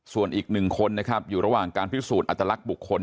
ส่วนอีก๑คนนะครับอยู่ระหว่างการพิสูจน์อัตลักษณ์บุคคล